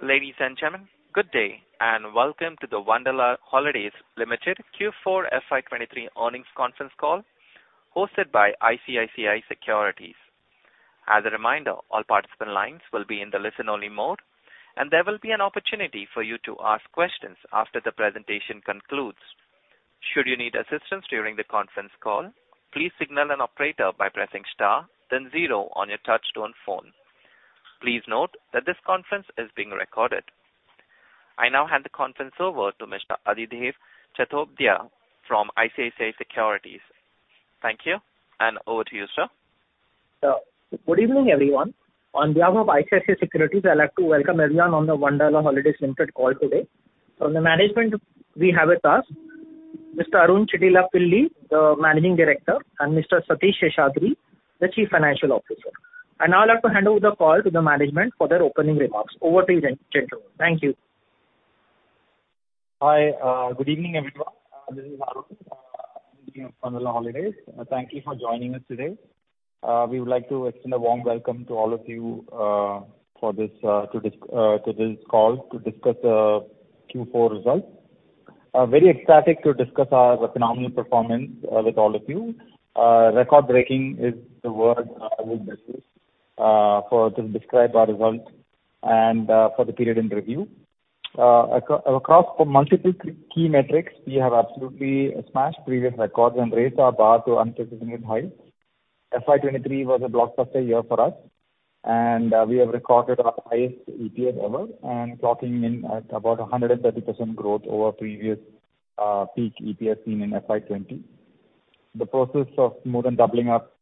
Ladies and gentlemen, good day. Welcome to the Wonderla Holidays Limited Q4 FY23 earnings conference call, hosted by ICICI Securities. As a reminder, all participant lines will be in the listen-only mode. There will be an opportunity for you to ask questions after the presentation concludes. Should you need assistance during the conference call, please signal an operator by pressing star then zero on your touchtone phone. Please note that this conference is being recorded. I now hand the conference over to Mr. Adhidev Chattopadhyay from ICICI Securities. Thank you. Over to you, sir. Good evening, everyone. On behalf of ICICI Securities, I'd like to welcome everyone on the Wonderla Holidays Limited call today. From the management, we have with us Mr. Arun Chittilappilly, the Managing Director, and Mr.Satheesh Seshadri, the Chief Financial Officer. Now, I'd like to hand over the call to the management for their opening remarks. Over to you, gentlemen. Thank you. Good evening, everyone. This is Arun from Wonderla Holidays. Thank you for joining us today. We would like to extend a warm welcome to all of you, to this call to discuss Q4 results. Very ecstatic to discuss our phenomenal performance with all of you. Record-breaking is the word I would use for to describe our results and for the period in review. Across the multiple key metrics, we have absolutely smashed previous records and raised our bar to unprecedented heights. FY 2023 was a blockbuster year for us, and we have recorded our highest EPS ever and clocking in at about 130% growth over previous peak EPS seen in FY 2020. The process of more than doubling up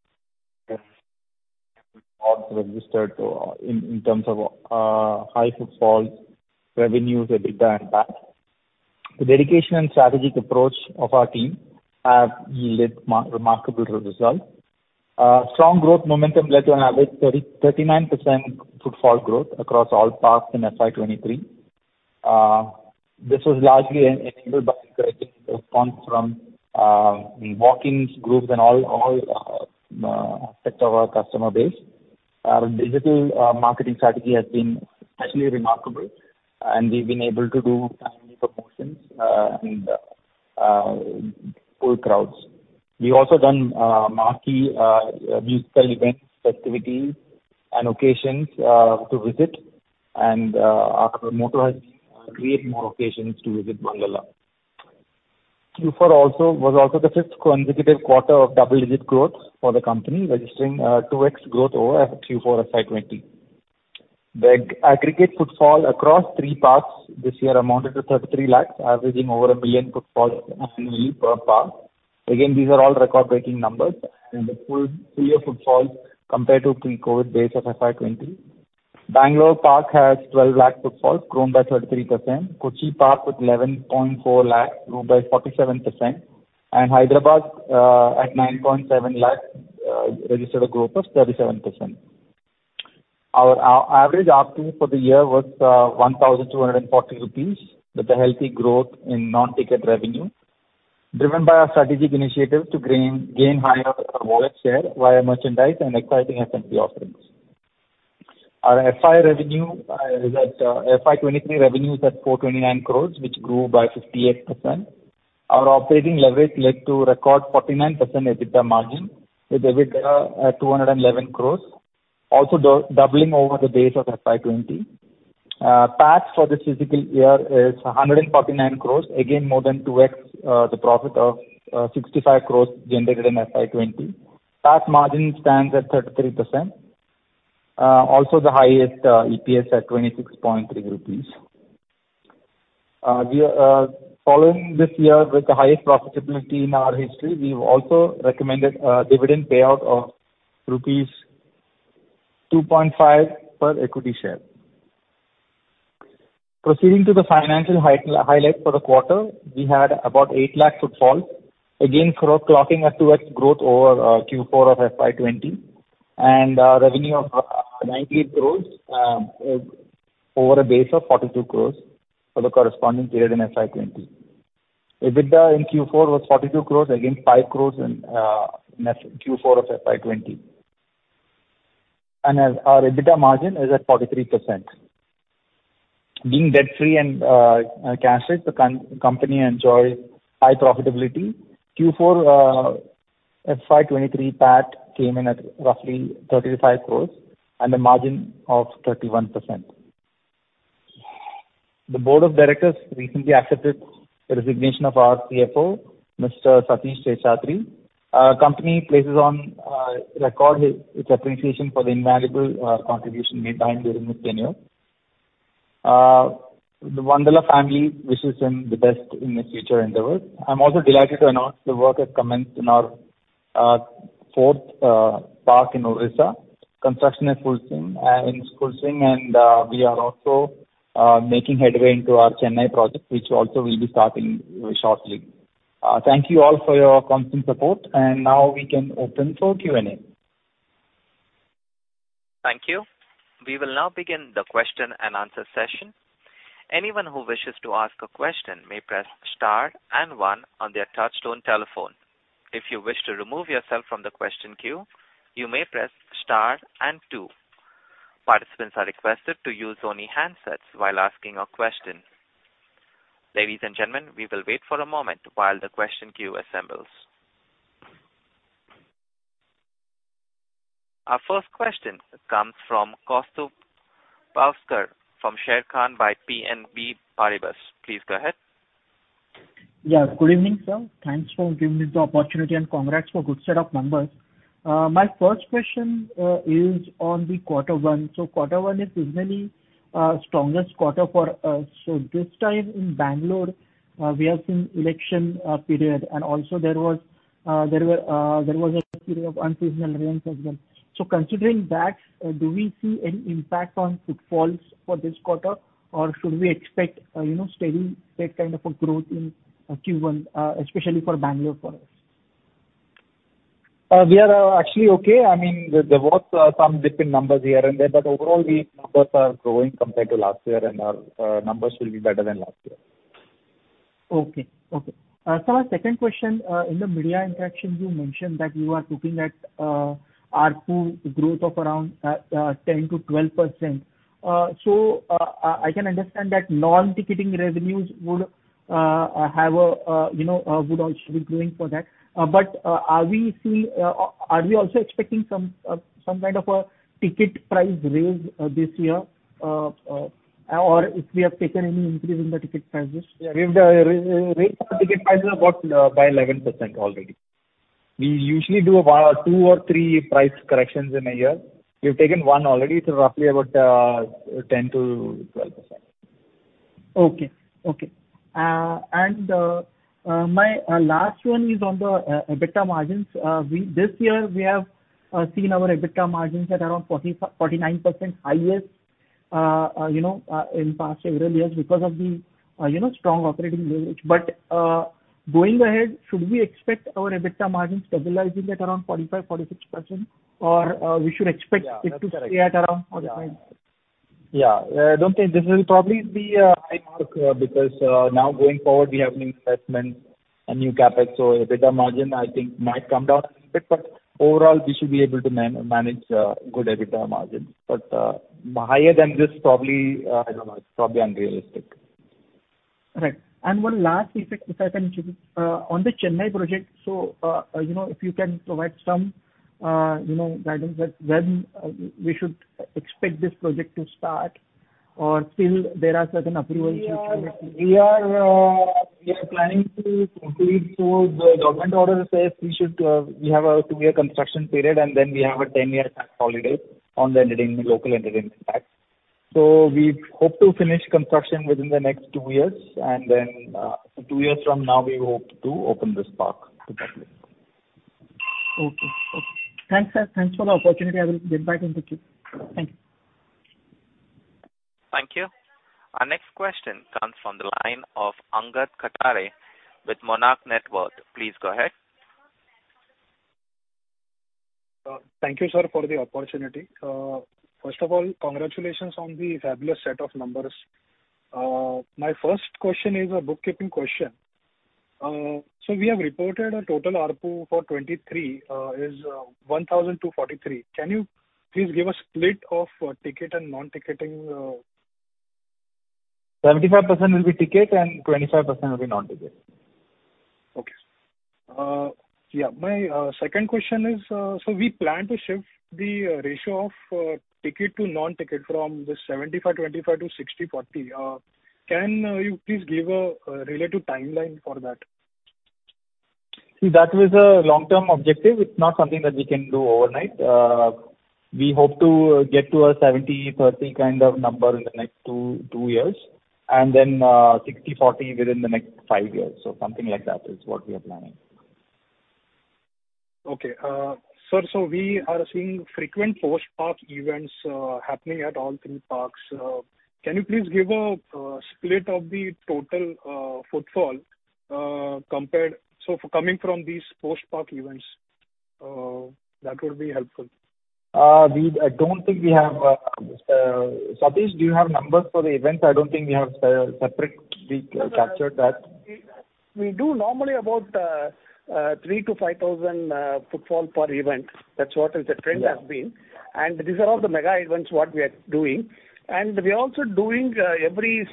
registered in terms of high footfall, revenues, EBITDA and PAT. The dedication and strategic approach of our team have yielded remarkable results. Strong growth momentum led to an average 39% footfall growth across all parks in FY 23. This was largely enabled by encouraging response from walk-ins, groups, and all parts of our customer base. Our digital marketing strategy has been especially remarkable, and we've been able to do timely promotions and full crowds. We've also done marquee musical events, activities, and occasions to visit. Our motto has been create more occasions to visit Wonderla. Q4 was also the fifth consecutive quarter of double-digit growth for the company, registering 2x growth over Q4 FY 20. The aggregate footfall across three parks this year amounted to 33 lakh, averaging over 1 million footfall annually per park. Again, these are all record-breaking numbers, and a full clear footfall compared to pre-COVID base of FY20. Bangalore Park has 12 lakh footfall, grown by 33%, Kochi Park with 11.4 lakh, grown by 47%, and Hyderabad at 9.7 lakh registered a growth of 37%. Our average RP for the year was 1,240 rupees, with a healthy growth in non-ticket revenue, driven by our strategic initiative to gain higher per wallet share via merchandise and exciting F&B offerings. FY23 revenues at 429 crore, which grew by 58%. Our operating leverage led to record 49% EBITDA margin, with EBITDA at 211 crores, also doubling over the base of FY20. PAT for this fiscal year is 149 crores, again, more than 2x the profit of 65 crores generated in FY20. PAT margin stands at 33%, also the highest, EPS at 26.3 rupees. We are following this year with the highest profitability in our history, we've also recommended a dividend payout of rupees 2.5 per equity share. Proceeding to the financial highlights for the quarter, we had about 8 lakh footfall. Again, clocking a 2x growth over Q4 of FY20, and revenue of 98 crores over a base of 42 crores for the corresponding period in FY20. EBITDA in Q4 was 42 crores, against 5 crores in Q4 of FY20. Our EBITDA margin is at 43%. Being debt-free and cash-rich, the company enjoys high profitability. Q4 FY23 PAT came in at roughly 35 crores and a margin of 31%. The board of directors recently accepted the resignation of our CFO, Mr. Satheesh Seshadri. Company places on record its appreciation for the invaluable contribution made by him during his tenure. The Wonderla family wishes him the best in his future endeavors. I'm also delighted to announce the work has commenced in our fourth park in Odisha. Construction is full swing, and we are also making headway into our Chennai project, which also will be starting very shortly. Thank you all for your constant support, and now we can open for Q&A. Thank you. We will now begin the question and answer session. Anyone who wishes to ask a question may press star and one on their touch-tone telephone. If you wish to remove yourself from the question queue, you may press star and two. Participants are requested to use only handsets while asking a question. Ladies and gentlemen, we will wait for a moment while the question queue assembles. Our first question comes from Kaustubh Pawaskar from Sharekhan by BNP Paribas. Please go ahead. Good evening, sir. Thanks for giving me the opportunity, congrats for good set of numbers. My first question is on the quarter one. Quarter one is usually strongest quarter for us. This time in Bangalore, we have seen election period, and also there was a period of unseasonal rains as well. Considering that, do we see any impact on footfalls for this quarter? Should we expect, you know, steady state kind of a growth in Q1, especially for Bangalore for us? We are actually okay. I mean, there was some different numbers here and there. Overall, the numbers are growing compared to last year. Our numbers will be better than last year. Okay. Okay. My second question, in the media interaction, you mentioned that you are looking at ARPU growth of around 10%-12%. I can understand that non-ticketing revenues would have a, you know, would also be growing for that. Are we also expecting some kind of a ticket price raise this year, or if we have taken any increase in the ticket prices? Yeah, we've raised our ticket prices about by 11% already. We usually do about two or three price corrections in a year. We've taken one already, so roughly about 10%-12%. Okay. Okay. My last one is on the EBITDA margins. This year, we have seen our EBITDA margins at around 49% highest, you know, in past several years because of the strong operating leverage. Going ahead, should we expect our EBITDA margins stabilizing at around 45%-46%? Or we should expect? Yeah, that's correct. it to stay at around 45? I don't think this will probably be a high mark because now going forward, we have new investments and new CapEx. EBITDA margin, I think, might come down a little bit, but overall, we should be able to manage good EBITDA margins. Higher than this, probably, I don't know, it's probably unrealistic. Right. One last piece, if I can, on the Chennai project. You know, if you can provide some, you know, guidance that when we should expect this project to start or still there are certain approvals required? We are planning to complete. The government order says we should, we have a 2-year construction period, and then we have a 10-year tax holiday on the entertainment, local entertainment tax. We hope to finish construction within the next 2 years, and then, 2 years from now, we hope to open this park to public. Okay. Okay. Thanks, sir. Thanks for the opportunity. I will get back in the queue. Thank you. Thank you. Our next question comes from the line of Angad Katdare with Monarch Networth Capital. Please go ahead. Thank you, sir, for the opportunity. First of all, congratulations on the fabulous set of numbers. My first question is a bookkeeping question. We have reported a total ARPU for 23, is, 1,243. Can you please give a split of ticket and non-ticketing...? 75% will be ticket and 25% will be non-ticket. Okay. Yeah. My second question is, we plan to shift the ratio of ticket to non-ticket from the 75/25 to 60/40. Can you please give a relative timeline for that? That was a long-term objective. It's not something that we can do overnight. We hope to get to a 70/30 kind of number in the next 2 years, and then, 60/40 within the next 5 years. Something like that is what we are planning. Okay. sir, so we are seeing frequent post-park events, happening at all three parks. Can you please give a split of the total footfall So coming from these post-park events, that would be helpful. I don't think we have, Satheesh, do you have numbers for the events? I don't think we have separate. We captured that. We do normally about 3,000-5,000 footfall per event. That's what is the trend has been. Yeah. These are all the mega events, what we are doing. We are also doing, every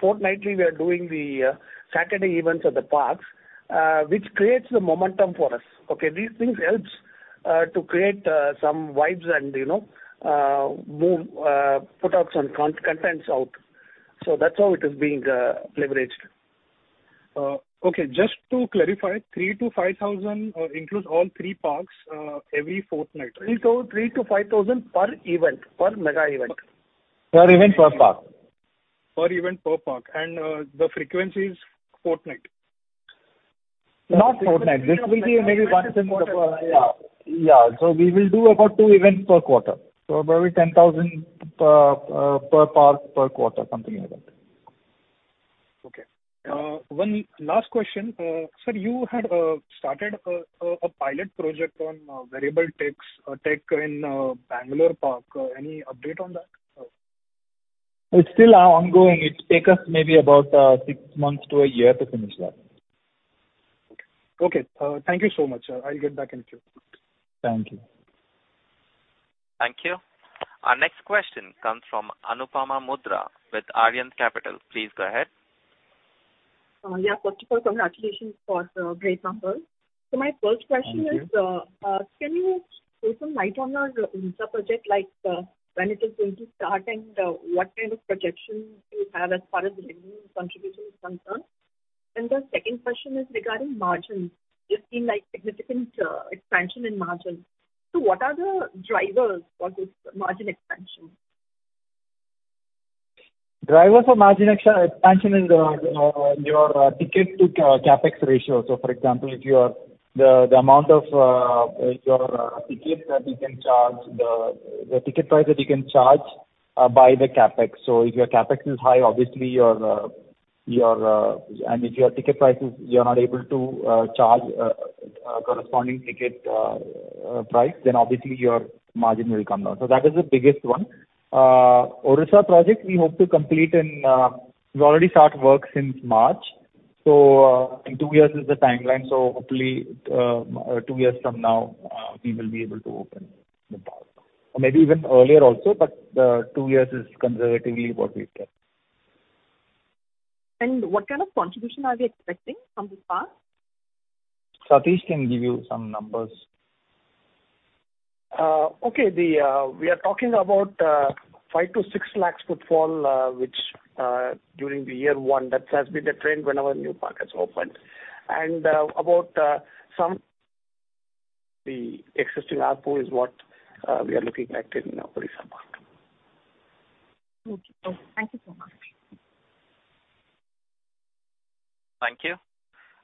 fortnightly, we are doing the Saturday events at the parks, which creates the momentum for us. Okay. These things help to create some vibes and, you know, move footfalls on contents out. That's how it is being leveraged. Okay, just to clarify, 3 to 5,000 includes all three parks, every fortnight? 3,000-5,000 per event, per mega event. Per event, per park. Per event, per park. The frequency is fortnight? Not fortnight. This will be maybe once in a while. Yeah. We will do about two events per quarter. Maybe 10,000 per park, per quarter, something like that. Okay. One last question. Sir, you had started a pilot project on variable tech in Bangalore park. Any update on that? It's still ongoing. It take us maybe about six months to a year to finish that. Okay. Thank you so much, sir. I'll get back in queue. Thank you. Thank you. Our next question comes from Anupama Bhootra with Arihant Capital Markets. Please go ahead. Yeah, first of all, congratulations for the great numbers. My first question is. Thank you. Can you throw some light on our Odisha project? Like, when it is going to start, and what kind of projection you have as far as the revenue contribution is concerned? The second question is regarding margins. We've seen, like, significant expansion in margins. What are the drivers for this margin expansion? Drivers for margin expansion is your ticket to CapEx ratio. For example, if your the amount of your ticket that you can charge, the ticket price that you can charge by the CapEx. If your CapEx is high, obviously, your. If your ticket price is, you're not able to charge a corresponding ticket price, then obviously your margin will come down. That is the biggest one. Odisha project, we hope to complete in. We've already start work since March. In two years is the timeline. Hopefully, two years from now, we will be able to open the park. Maybe even earlier also, but two years is conservatively what we've kept. What kind of contribution are we expecting from this park? Satheesh can give you some numbers. Okay. The, we are talking about 5 lakh-6 lakh footfall, which, during the year one, that has been the trend whenever a new park has opened. About, some the existing ARPU is what, we are looking at in Odisha park. Thank you so much. Thank you.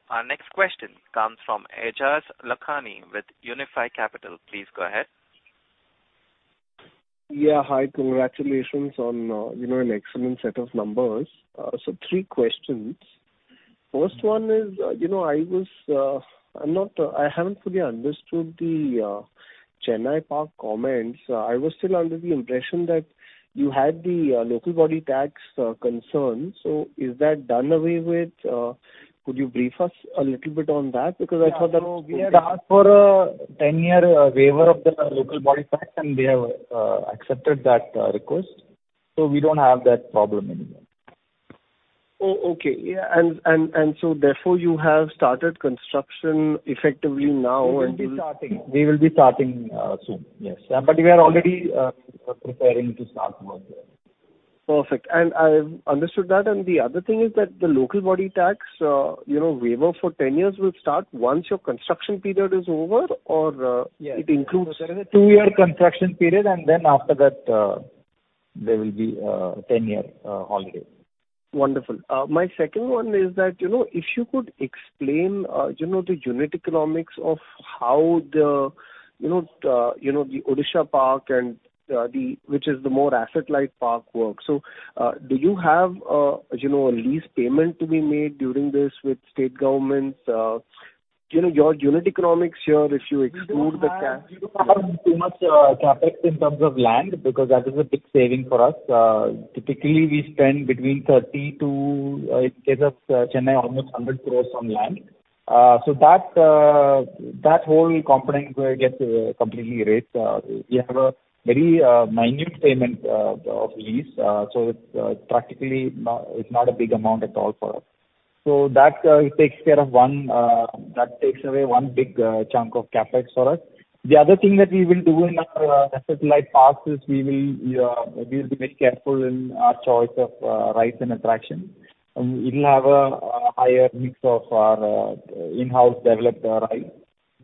Our next question comes from Aejas Lakhani with Unifi Capital. Please go ahead. Yeah. Hi. Congratulations on, you know, an excellent set of numbers. Three questions. First one is, you know, I haven't fully understood the Chennai park comments. I was still under the impression that you had the local body tax concern. Is that done away with? Could you brief us a little bit on that? Because I thought that. We had asked for a 10-year waiver of the local body tax, and they have accepted that request, so we don't have that problem anymore. Oh, okay. Yeah. Therefore, you have started construction effectively now, and. We will be starting, soon. Yes. We are already, preparing to start work there. Perfect. I've understood that, the other thing is that the local body tax, you know, waiver for 10 years will start once your construction period is over, or? Yeah. It includes. There is a 2-year construction period, and then after that, there will be, 10-year, holiday. Wonderful. My second one is that, you know, if you could explain, you know, the unit economics of how the Odisha park and the which is the more asset-light park work. Do you have, you know, a lease payment to be made during this with state governments? Do you know your unit economics here, if you exclude the CapEx? We don't have too much CapEx in terms of land, because that is a big saving for us. Typically, we spend between 30 to, in case of Chennai, almost 100 crores on land. That, that whole component gets completely erased. We have a very minute payment of lease. It's practically, it's not a big amount at all for us. That takes care of one, that takes away one big chunk of CapEx for us. The other thing that we will do in our asset-light parks is we will be very careful in our choice of rides and attractions. It'll have a higher mix of our in-house developed rides.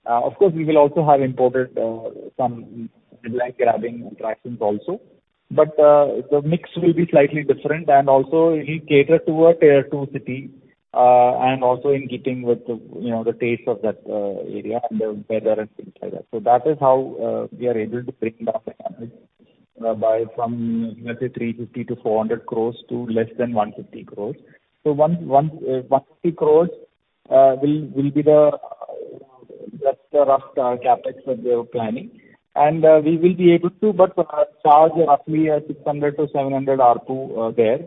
Of course, we will also have imported some headline-grabbing attractions also. The mix will be slightly different, and also it will cater toward Tier 2 city, and also in keeping with the, you know, the taste of that area and the weather and things like that. That is how we are able to bring down the average by from, let's say, 350 crores-400 crores to less than 150 crores. 150 crores will be the rough CapEx that we are planning. We will be able to charge roughly a 600-700 ARPU there.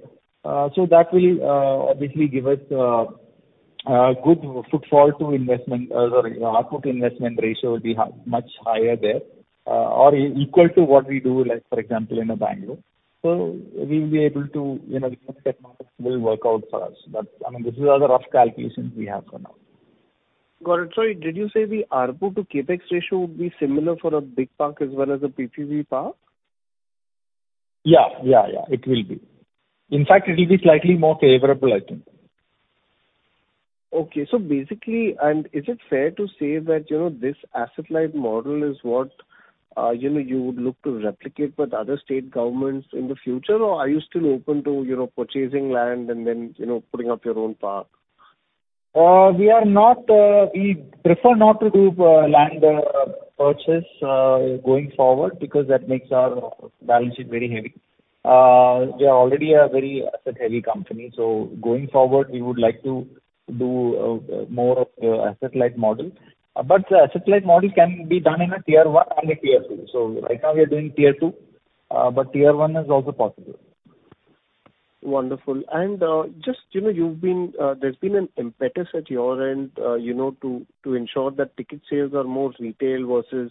That will obviously give us a good footfall to investment... Sorry, ARPU to investment ratio will be much higher there, or equal to what we do, like, for example, in a Bangalore. We will be able to, you know, the unit economics will work out for us. I mean, these are the rough calculations we have for now. Got it. Sorry, did you say the ARPU to CapEx ratio would be similar for a big park as well as a PPV park? Yeah, yeah, it will be. In fact, it will be slightly more favorable, I think. Basically... Is it fair to say that, you know, this asset-light model is what, you know, you would look to replicate with other state governments in the future? Are you still open to, you know, purchasing land and then, you know, putting up your own park? We are not, we prefer not to do land purchase going forward, because that makes our balance sheet very heavy. We are already a very asset-heavy company, so going forward, we would like to do more of a asset-light model. The asset-light model can be done in a Tier 1 and a Tier 2. Right now we are doing Tier 2, but Tier 1 is also possible. Wonderful! Just, you know, you've been there's been an impetus at your end, you know, to ensure that ticket sales are more retail versus,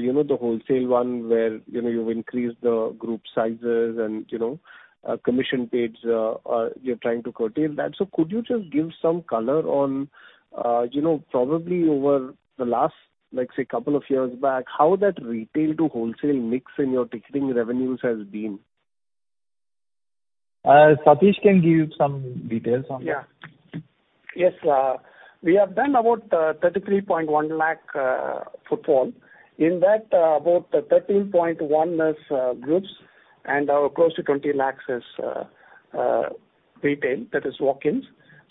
you know, the wholesale one, where, you know, you've increased the group sizes and, you know, commission paid, you're trying to curtail that. Could you just give some color on, you know, probably over the last, like, say, 2 years back, how that retail to wholesale mix in your ticketing revenues has been? Satheesh can give some details on that. Yeah. Yes, we have done about 33.1 lakh footfall. In that, about 13.1 is groups, and close to 20 lakh is retail, that is, walk-ins.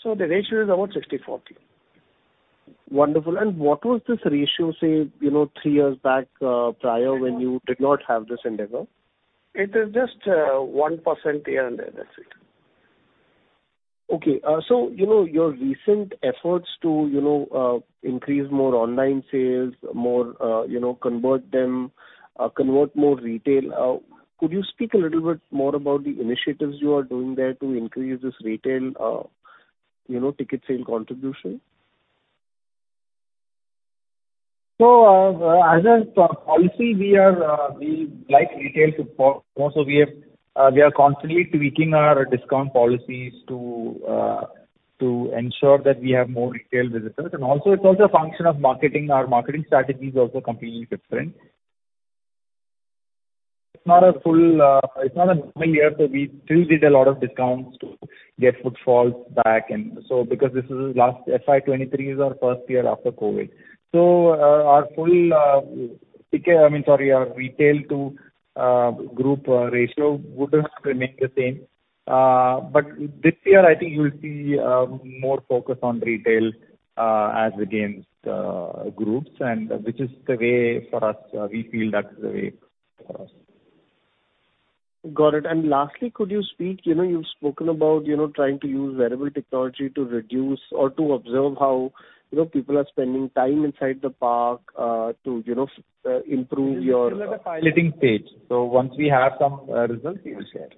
The ratio is about 60/40. Wonderful. What was this ratio, say, you know, 3 years back, prior, when you did not have this endeavor? It is just, 1% here and there, that's it. Okay, you know, your recent efforts to, you know, increase more online sales, more, you know, convert them, convert more retail, could you speak a little bit more about the initiatives you are doing there to increase this retail, you know, ticket sale contribution? As a policy, we are, we like retail to grow, so we have, we are constantly tweaking our discount policies to ensure that we have more retail visitors. It's also a function of marketing. Our marketing strategy is also completely different. It's not a full, it's not a normal year, so we still did a lot of discounts to get footfalls back. Because this is last, FY 2023 is our first year after COVID. Our full, ticket, I mean, sorry, our retail to, group, ratio would have remained the same. This year, I think you will see, more focus on retail, as against, groups, and which is the way for us, we feel that is the way for us. Got it. Lastly, could you speak, you know, you've spoken about, you know, trying to use wearable technology to reduce or to observe how, you know, people are spending time inside the park, to, you know, improve your... Still at the piloting stage. Once we have some, results, we will share.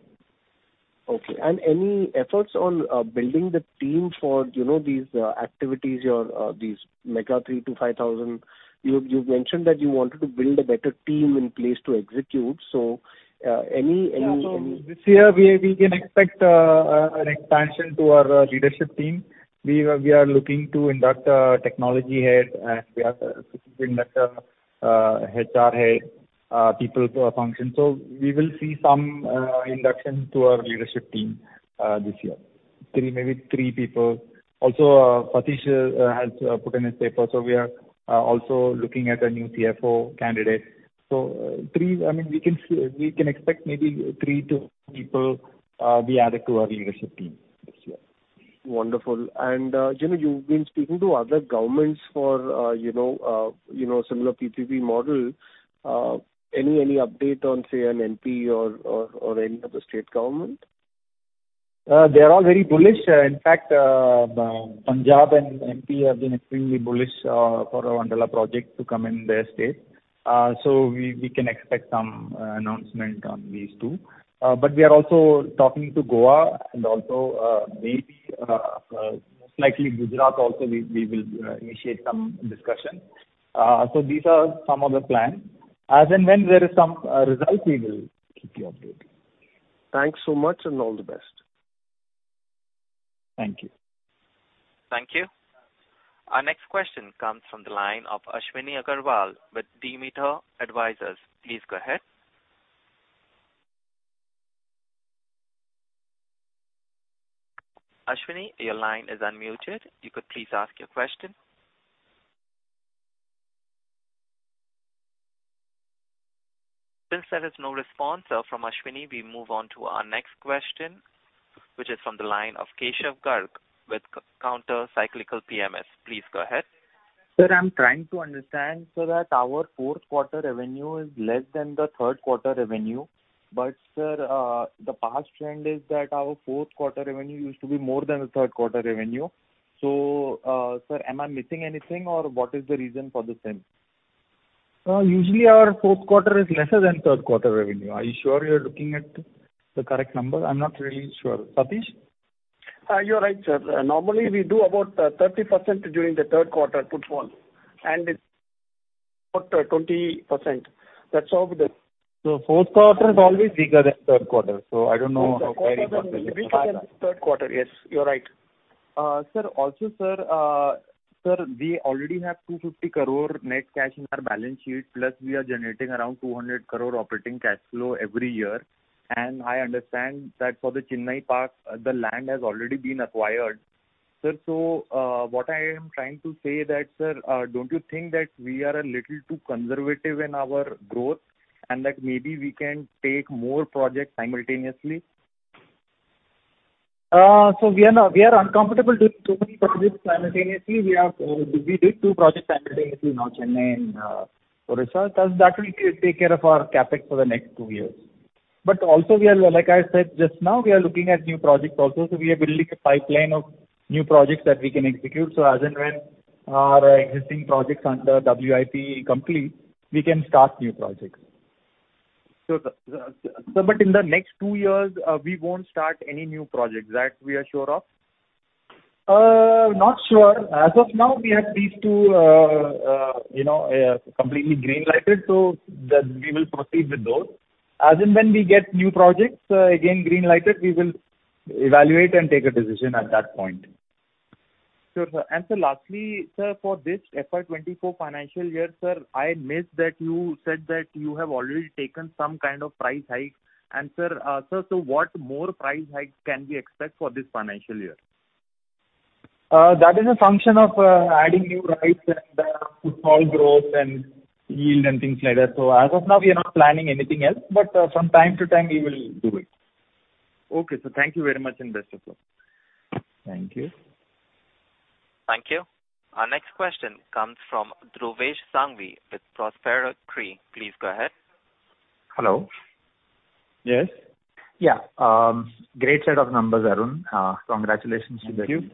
Okay. Any efforts on, building the team for, you know, these, activities, your, these mega 3,000 to 5,000? You mentioned that you wanted to build a better team in place to execute. This year, we can expect an expansion to our leadership team. We are looking to induct a technology head, and we are looking to induct a HR head, people function. We will see some induction to our leadership team this year. Three, maybe three people. Also, Satheesh has put in his paper, we are also looking at a new CFO candidate. I mean, we can expect maybe three to four people be added to our leadership team this year. Wonderful. you know, you've been speaking to other governments for, you know, you know, similar PPP model. any update on, say, an MP or any other state government? They are all very bullish. In fact, Punjab and MP have been extremely bullish for our Wonderla project to come in their state. We can expect some announcement on these two. We are also talking to Goa and also, maybe, most likely Gujarat also, we will initiate some discussions. These are some of the plans. As and when there is some result, we will keep you updated. Thanks so much, and all the best. Thank you. Thank you. Our next question comes from the line of Ashwini Agarwal with Demeter Advisors. Please go ahead. Ashwini, your line is unmuted. You could please ask your question. Since there is no response from Ashwini, we move on to our next question, which is from the line of Keshav Garg with Counter Cyclical PMS. Please go ahead. Sir, I'm trying to understand, so that our fourth quarter revenue is less than the third quarter revenue. Sir, the past trend is that our fourth quarter revenue used to be more than the third quarter revenue. Sir, am I missing anything, or what is the reason for the same? Usually our fourth quarter is lesser than third quarter revenue. Are you sure you're looking at the correct number? I'm not really sure. Satheesh? You're right, sir. Normally we do about 30% during the third quarter footfall and about 20%. That's how it is. Fourth quarter is always bigger than third quarter, so I don't know where it is. Third quarter, yes, you're right. sir, also, sir, we already have 250 crore net cash in our balance sheet, plus we are generating around 200 crore operating cash flow every year. I understand that for the Chennai park, the land has already been acquired. Sir, what I am trying to say that, sir, don't you think that we are a little too conservative in our growth and that maybe we can take more projects simultaneously? We are uncomfortable doing too many projects simultaneously. We did 2 projects simultaneously, now Chennai and Odisha. That will take care of our CapEx for the next 2 years. Also, we are, like I said just now, we are looking at new projects also. We are building a pipeline of new projects that we can execute, so as and when our existing projects under WIP complete, we can start new projects. Sure. In the next 2 years, we won't start any new projects, that we are sure of? Not sure. As of now, we have these two, you know, completely greenlighted, so that we will proceed with those. As and when we get new projects, again, greenlighted, we will evaluate and take a decision at that point. Sure, sir. Sir, lastly, sir, for this FY 2024 financial year, sir, I missed that you said that you have already taken some kind of price hike. Sir, so what more price hike can we expect for this financial year? That is a function of adding new rides and footfall growth and yield and things like that. As of now, we are not planning anything else, but from time to time, we will do it. Okay, sir. Thank you very much, and best of luck. Thank you. Thank you. Our next question comes from Dhruvesh Sanghvi with Prospero Tree. Please go ahead. Hello. Yes. Yeah. Great set of numbers, Arun. Congratulations to the team.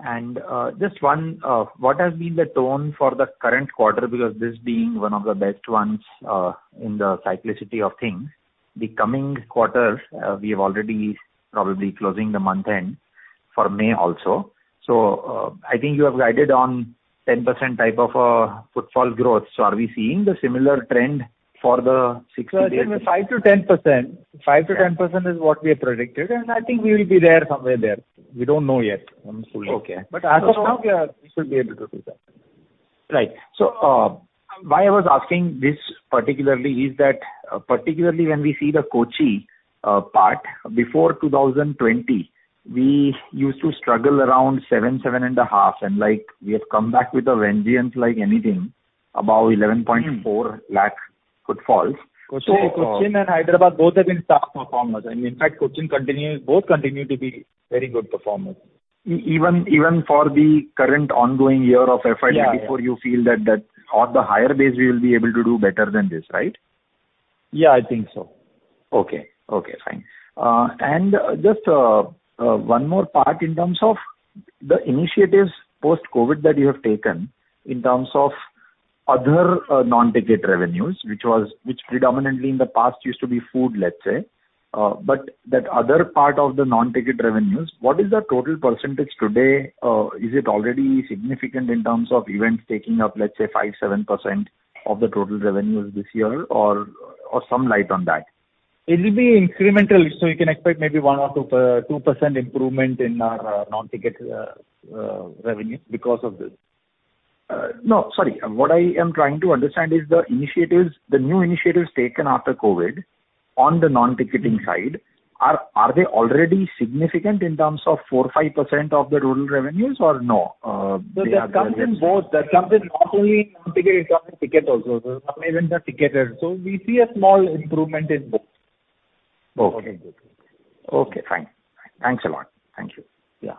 Thank you. Just one, what has been the tone for the current quarter? This being one of the best ones, in the cyclicity of things. The coming quarters, we have already probably closing the month end for May also. I think you have guided on 10% type of footfall growth. Are we seeing the similar trend for the six to eight-? Sir, it was 5%-10%. 5%-10% is what we have predicted. I think we will be there, somewhere there. We don't know yet, honestly. Okay. As of now, we should be able to do that. Why I was asking this particularly is that, particularly when we see the Kochi part, before 2020, we used to struggle around 7.5, and like, we have come back with a vengeance like anything, above 11.4 lakh footfalls. Cochin and Hyderabad, both have been top performers, in fact, both continue to be very good performers. Even for the current ongoing year of FY 2024. Yeah. you feel that on the higher base, we will be able to do better than this, right? Yeah, I think so. Okay. Okay, fine. Just one more part in terms of the initiatives post-COVID that you have taken in terms of other, non-ticket revenues, which predominantly in the past used to be food, let's say. That other part of the non-ticket revenues, what is the total percentage today? Is it already significant in terms of events taking up, let's say, 5%, 7% of the total revenues this year, or some light on that? It will be incremental, so you can expect maybe 1 or 2% improvement in our non-ticket revenue because of this. No, sorry. What I am trying to understand is the initiatives, the new initiatives taken after COVID on the non-ticketing side, are they already significant in terms of 4%, 5% of the total revenues or no? They are. That comes in both. That comes in not only in non-ticket, it comes in ticket also. Some events are ticketed, so we see a small improvement in both. Okay. Okay, fine. Thanks a lot. Thank you. Yeah.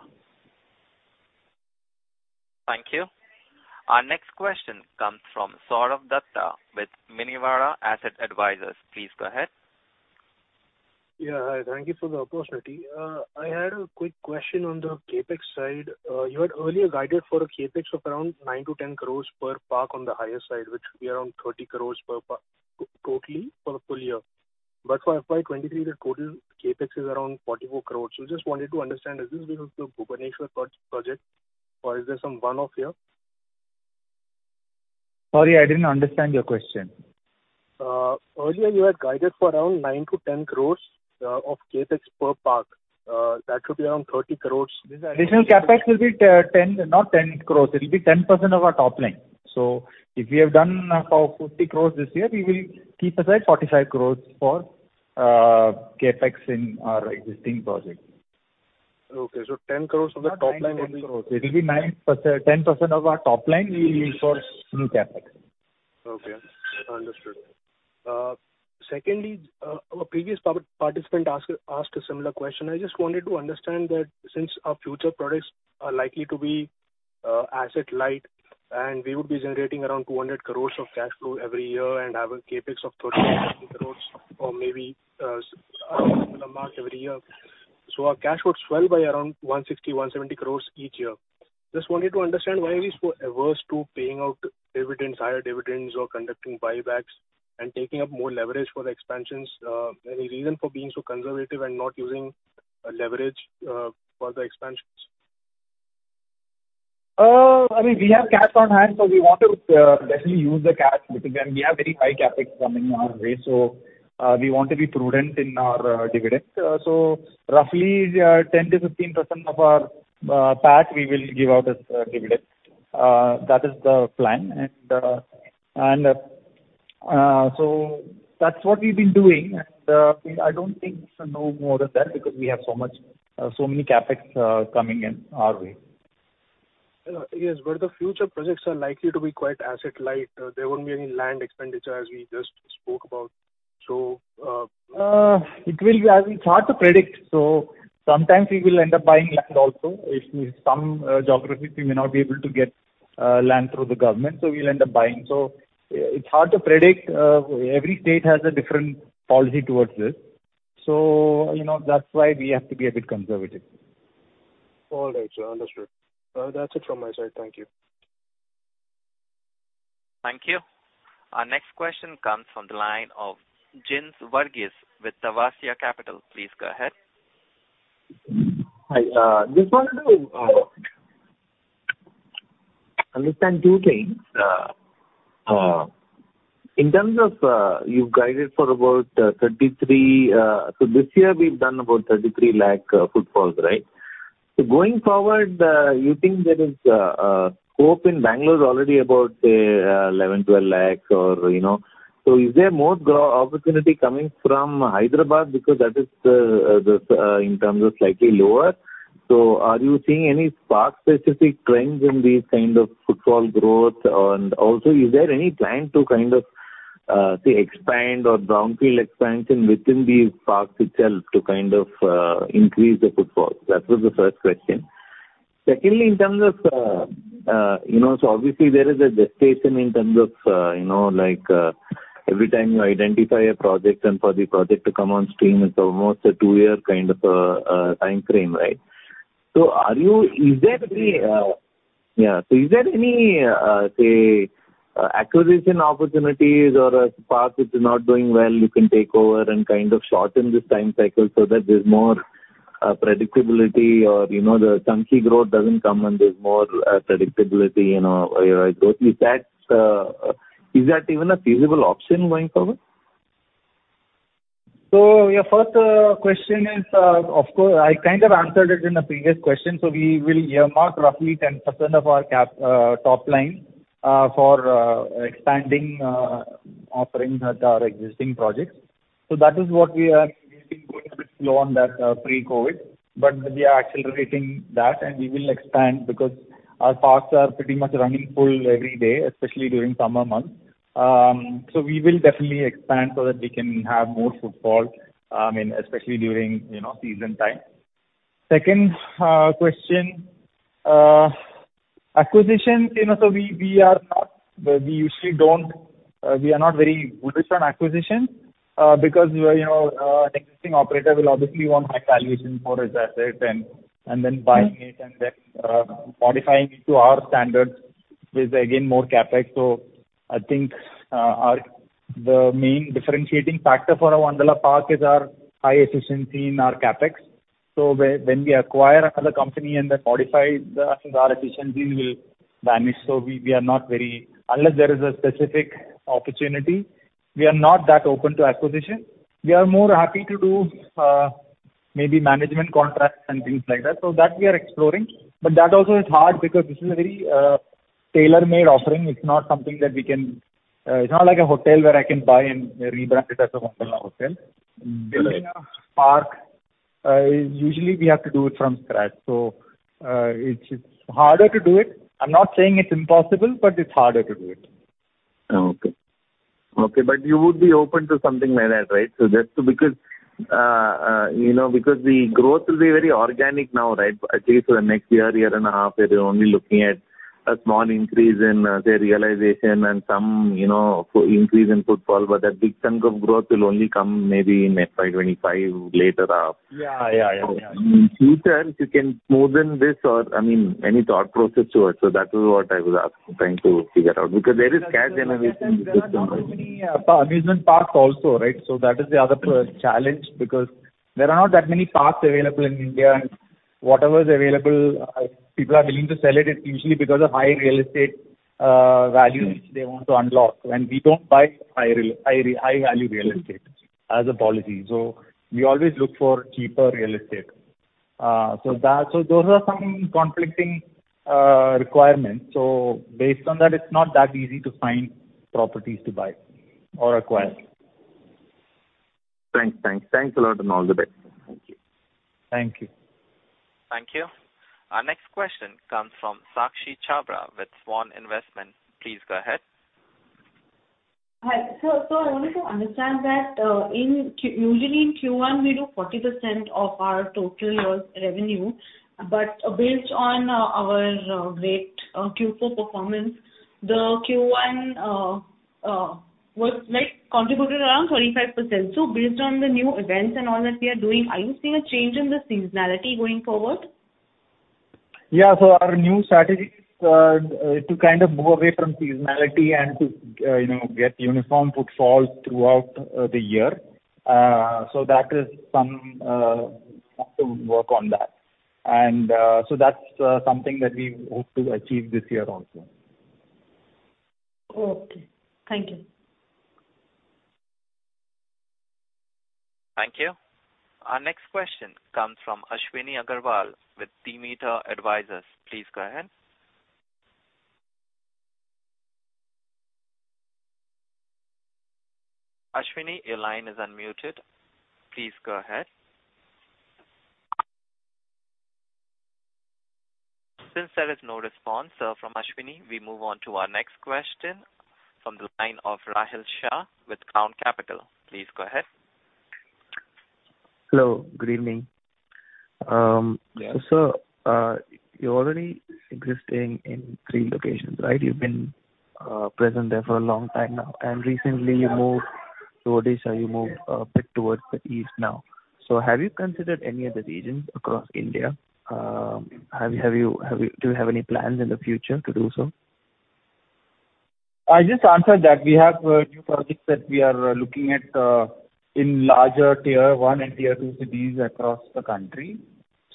Thank you. Our next question comes from Sourav Dutta with Minerva Asset Advisors. Please go ahead. Yeah, hi. Thank you for the opportunity. I had a quick question on the CapEx side. You had earlier guided for a CapEx of around 9-10 crores per park on the higher side, which would be around 30 crores totally for the full year. For FY 2023, the total CapEx is around 44 crores. Just wanted to understand, is this because of the Bhubaneswar project or is there some one-off here? Sorry, I didn't understand your question. Earlier you had guided for around 9-10 crore, of CapEx per park. That should be around 30 crore. This additional CapEx will be 10, not 10 crores, it'll be 10% of our top line. If we have done 50 crores this year, we will keep aside 45 crores for CapEx in our existing project. Okay. 10 crore of the top line. It will be 9%, 10% of our top line we use for new CapEx. Okay, understood. Secondly, a previous participant asked a similar question. I just wanted to understand that since our future products are likely to be asset light, and we would be generating around 200 crores of cash flow every year and have a CapEx of 30 crores or maybe every year. Our cash would swell by around 160, 170 crores each year. Just wanted to understand, why are we so averse to paying out dividends, higher dividends or conducting buybacks and taking up more leverage for the expansions? Any reason for being so conservative and not using leverage for the expansions? I mean, we have cash on hand, so we want to definitely use the cash, because then we have very high CapEx coming our way, so we want to be prudent in our dividends. Roughly, 10%-15% of our PAT, we will give out as dividend. That is the plan. That's what we've been doing, and I don't think so no more than that, because we have so much, so many CapEx coming in our way. ... Yes, the future projects are likely to be quite asset-light. There won't be any land expenditure, as we just spoke about. It will be, it's hard to predict. Sometimes we will end up buying land also. If in some geographies, we may not be able to get land through the government, so we'll end up buying. It's hard to predict. Every state has a different policy towards this, so, you know, that's why we have to be a bit conservative. All right, sir. Understood. That's it from my side. Thank you. Thank you. Our next question comes from the line of Jins Varghese with Tavasya Capital. Please go ahead. Hi, just wanted to understand two things. In terms of, you've guided for about 33, so this year we've done about 33 lakh footfalls, right? Going forward, you think there is hope in Bangalore already about, say, 11, 12 lakh or, you know... Is there more opportunity coming from Hyderabad? That is, in terms of slightly lower. Are you seeing any park-specific trends in these kind of footfall growth? Also, is there any plan to kind of, say, expand or brownfield expansion within these parks itself to kind of increase the footfall? That was the first question. Secondly, in terms of, you know, obviously, there is a gestation in terms of, you know, like, every time you identify a project and for the project to come on stream, it's almost a two-year kind of time frame, right? Is there any? Yeah. Is there any, say, acquisition opportunities or a park which is not doing well, you can take over and kind of shorten this time cycle so that there's more predictability, or, you know, the chunky growth doesn't come, and there's more predictability, you know, growth? Is that, is that even a feasible option going forward? Your first question is, of course, I kind of answered it in a previous question. We will earmark roughly 10% of our cap top line for expanding offerings at our existing projects. That is what we are doing. A bit slow on that pre-COVID, but we are accelerating that, and we will expand because our parks are pretty much running full every day, especially during summer months. We will definitely expand so that we can have more footfall in especially during, you know, season time. Second question, acquisition. You know, we are not, we usually don't, we are not very bullish on acquisition, because, we, you know, an existing operator will obviously want high valuation for his asset. Then buying it and then, modifying it to our standards is again, more CapEx. I think, our, the main differentiating factor for a Wonderla Park is our high efficiency in our CapEx. When we acquire another company and then modify that, our efficiency will vanish. Unless there is a specific opportunity, we are not that open to acquisition. We are more happy to do, maybe management contracts and things like that. That we are exploring. That also is hard because this is a very, tailor-made offering. It's not something that we can, it's not like a hotel where I can buy and rebrand it as a Wonderla hotel. Mm. Building a park, usually we have to do it from scratch, so, it's harder to do it. I'm not saying it's impossible, but it's harder to do it. Okay. Okay, but you would be open to something like that, right? Just because, you know, because the growth will be very organic now, right? At least for the next year and a half, we're only looking at a small increase in, say, realization and some, you know, increase in footfall. That big chunk of growth will only come maybe in FY 2025, later half. Yeah. Yeah, yeah. In future, you can smoothen this or, I mean, any thought process to it. That is what I was asking, trying to figure out, because there is cash generation. Amusement parks also, right? That is the other challenge, because there are not that many parks available in India, and whatever is available, people are willing to sell it's usually because of high real estate, value. Mm. which they want to unlock. We don't buy high-value real estate as a policy, we always look for cheaper real estate. Those are some conflicting requirements. Based on that, it's not that easy to find properties to buy or acquire. Thanks. Thanks. Thanks a lot, and all the best. Thank you. Thank you. Thank you. Our next question comes from Sakshi Chhabra with Swan Investment. Please go ahead. Hi. I wanted to understand that, usually in Q1, we do 40% of our total year's revenue. Based on our great Q4 performance, the Q1 was, like, contributed around 35%. Based on the new events and all that we are doing, are you seeing a change in the seasonality going forward? Yeah. Our new strategy is to kind of move away from seasonality and to, you know, get uniform footfalls throughout the year. That is some have to work on that. That's something that we hope to achieve this year also. Okay. Thank you. Thank you. Our next question comes from Ashwini Agarwal with Demeter Advisors. Please go ahead. Ashwini, your line is unmuted. Please go ahead. Since there is no response, from Ashwini, we move on to our next question from the line of Rahil Shah with Crown Capital. Please go ahead. Hello, good evening. You're already existing in 3 locations, right? You've been present there for a long time now, and recently you moved to Odisha. You moved a bit towards the east now. Have you considered any other regions across India? Do you have any plans in the future to do so? I just answered that. We have new projects that we are looking at in larger Tier One and Tier Two cities across the country.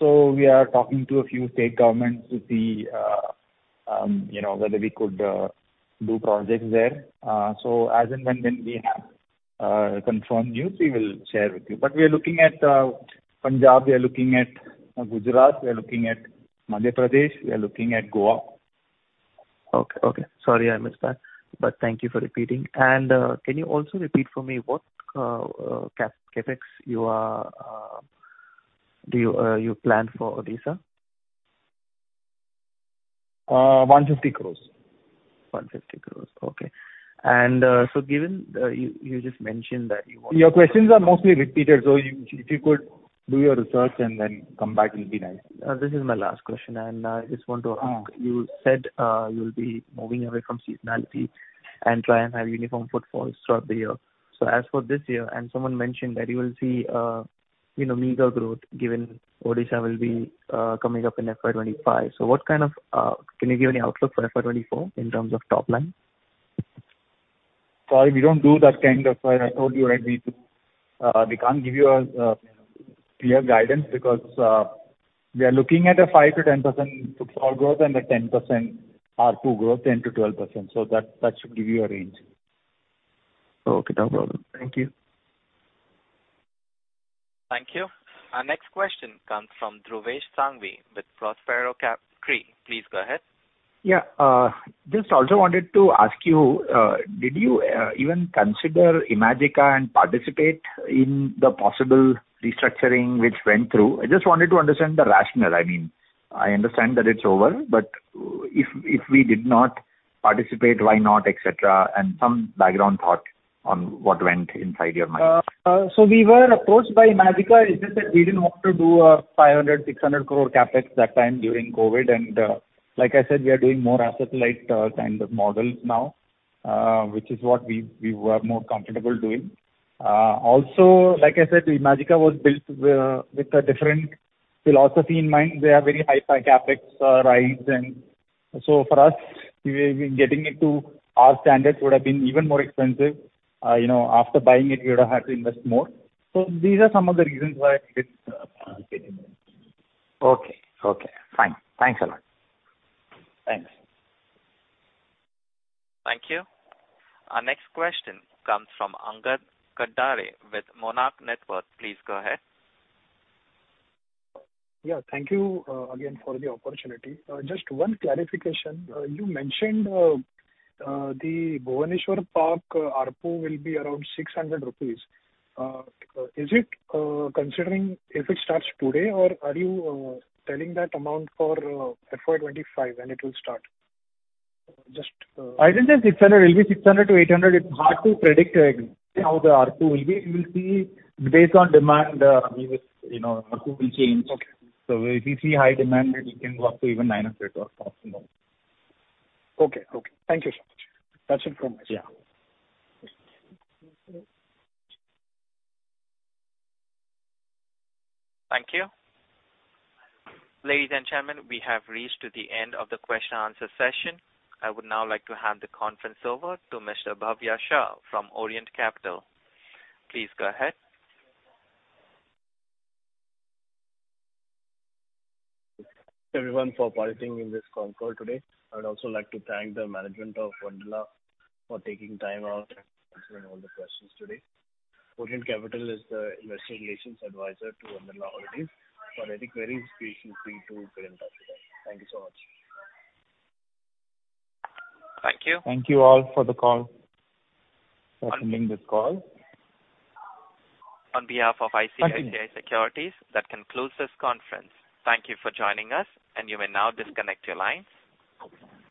We are talking to a few state governments to see, you know, whether we could do projects there. As and when we have confirmed news, we will share with you. We are looking at Punjab, we are looking at Gujarat, we are looking at Madhya Pradesh, we are looking at Goa. Okay. Okay, sorry, I missed that, but thank you for repeating. Can you also repeat for me what CapEx you plan for Odisha? 150 crores. 150 crores. Okay. Given, you just mentioned that you. Your questions are mostly repeated, so if you could do your research and then come back, it will be nice. This is my last question, and I just want to. Mm. You said, you'll be moving away from seasonality and try and have uniform footfalls throughout the year. As for this year, and someone mentioned that you will see, you know, meager growth given Odisha will be coming up in FY 2025. What kind of... Can you give any outlook for FY 2024 in terms of top line? Sorry, we don't do that kind of, I told you, right, we do, we can't give you a, clear guidance because, we are looking at a 5%-10% footfall growth and a 10% ARPU growth, 10%-12%. That should give you a range. Okay, no problem. Thank you. Thank you. Our next question comes from Dhruvesh Sanghvi with Prospero Cap III. Please go ahead. Just also wanted to ask you, did you even consider Imagicaa and participate in the possible restructuring which went through? I just wanted to understand the rationale. I mean, I understand that it's over, but if we did not participate, why not, et cetera, and some background thought on what went inside your mind. We were approached by Imagicaa. It's just that we didn't want to do a 500 crore-600 crore CapEx that time during COVID. Like I said, we are doing more asset-light kind of models now, which is what we were more comfortable doing. Also, like I said, Imagicaa was built with a different philosophy in mind. They have very high CapEx rides. For us, getting it to our standards would have been even more expensive. You know, after buying it, we would have had to invest more. These are some of the reasons why it didn't. Okay. Okay, fine. Thanks a lot. Thanks. Thank you. Our next question comes from Angad Katdare with Monarch Networth Capital. Please go ahead. Yeah, thank you, again, for the opportunity. Just one clarification. You mentioned, the Bhubaneswar park ARPU will be around 600 rupees. Is it, considering if it starts today, or are you, telling that amount for, FY25 when it will start? Just... I didn't say 600. It will be 600-800. It's hard to predict, how the ARPU will be. We will see based on demand, you know, ARPU will change. Okay. If you see high demand, it can go up to even 900 or possible. Okay. Okay. Thank you so much. That's it from my side. Yeah. Thank you. Ladies and gentlemen, we have reached to the end of the question and answer session. I would now like to hand the conference over to Mr. Bhavya Shah from Orient Capital. Please go ahead. Everyone for participating in this concall today. I would also like to thank the management of Wonderla for taking time out and answering all the questions today. Orient Capital is the investor relations advisor to Wonderla Already. For any queries, please feel free to get in touch with us. Thank you so much. Thank you. Thank you all for attending this call. On behalf of ICICI Securities, that concludes this conference. Thank you for joining us, and you may now disconnect your lines.